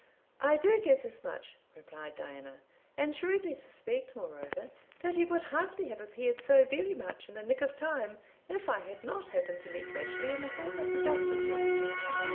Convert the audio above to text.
"I do guess as much," replied Diana; "and shrewdly suspect, moreover, that he would hardly have appeared so very much in the nick of time, if I had not happened to meet Rashleigh in the hall at the Justice's."